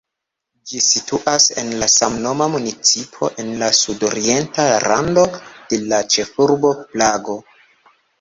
Ĝi situas en la samnoma municipo en la sudorienta rando de la ĉefurbo Prago.